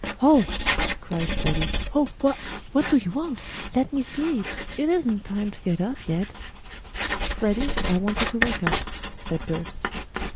"Oh!" cried Freddie. "Oh! Wha what do you want? Let me sleep! It isn't time to get up yet." "Freddie, I want you to wake up," said Bert.